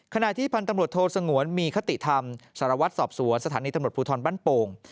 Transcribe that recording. ขณะที่พันธุ์ตำรวจโทสงวนมีคติธรรมสารวัตรสอบสวนสถานีตำรวจภูทรบ้านโป่ง